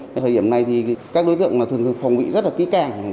thời điểm này thì các đối tượng thường thường phòng bị rất là kỹ càng